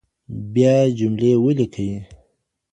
بیا جملې ولیکئ.